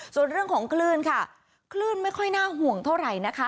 ส่วนเรื่องของคลื่นค่ะคลื่นไม่ค่อยน่าห่วงเท่าไหร่นะคะ